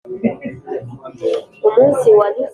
umunsi wanyuze mu gihugu cyinzozi.